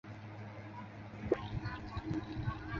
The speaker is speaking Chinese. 蒙古本土的蒙古人仍以回鹘式蒙古字母为正宗。